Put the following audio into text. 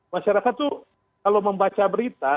masyarakat itu kalau membaca berita